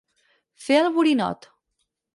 Fer el borinot.